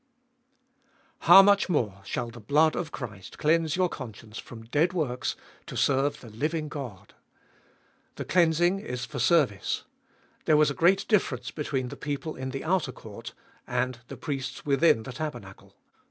How much more shall the blood of Christ cleanse your conscience from dead works to serve the living God ? The cleansing is for service. There was a great difference between the people in the outer court and the priests within the taber nacle.